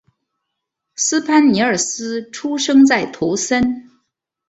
斯潘尼尔斯出生在图森。